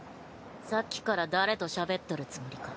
さっきから誰としゃべっとるつもりか。